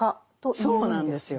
そうなんですよ。